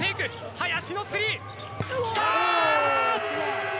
林のスリー！来た‼